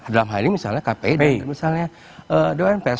dalam hal ini misalnya kpd misalnya dewan pers